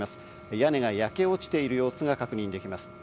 屋根が焼け落ちているのが確認できます。